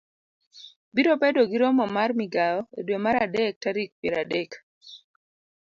Biro bedo gi romo mar migawo e dwe mar adek tarik piero adek ,